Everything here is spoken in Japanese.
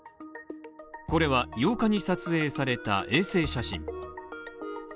これは、８日に撮影された衛星写真。